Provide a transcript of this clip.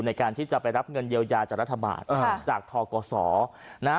ในการที่จะไปรับเงินเยียวยาจากรัฐบาลจากทกศนะฮะ